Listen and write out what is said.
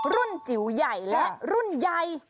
รุ่นจิ๋วใหญ่และรุ่นใย